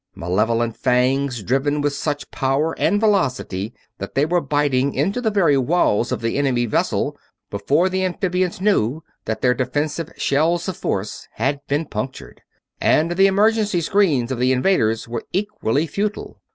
Malevolent fangs, driven with such power and velocity that they were biting into the very walls of the enemy vessel before the amphibians knew that their defensive shells of force had been punctured! And the emergency screens of the invaders were equally futile.